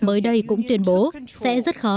mới đây cũng tuyên bố sẽ rất khó